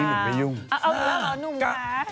เอ้าเยี่ยมแล้วเหรอหนุ่มคะ